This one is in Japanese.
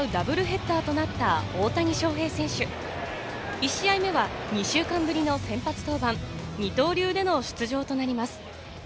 １試合目は２週間ぶりの先発登板、二刀流での出場となります。